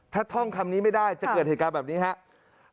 ถ้าท่องคำนี้ไม่ได้จะเกิดเหตุการณ์แบบนี้ครับ